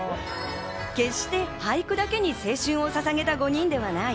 決して俳句だけに青春をささげた５人ではない。